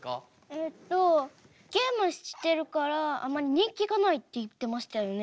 えっとゲームしてるからあまり人気がないって言ってましたよね。